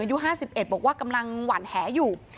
อายุ๕๑บอกว่ากำลังหวั่นแหอยู่